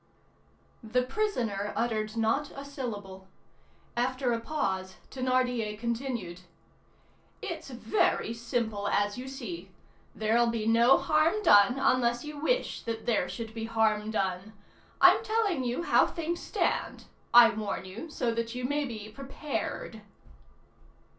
The prisoner uttered not a syllable. After a pause, Thénardier continued:— "It's very simple, as you see. There'll be no harm done unless you wish that there should be harm done. I'm telling you how things stand. I warn you so that you may be prepared."